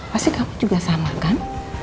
pasti kamu juga sama kan